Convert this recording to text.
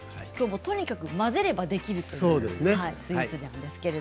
とにかく混ぜればできるということなんですね。